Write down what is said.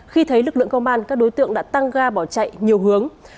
khi thấy lực lượng công an các đối tượng đã tăng ga bỏ chạy nhiều hướng